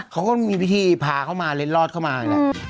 เขาก็มีพิธีพาเขามาเล็ดรอดเข้ามา